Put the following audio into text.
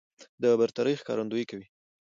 د برترۍ ښکارندويي کوي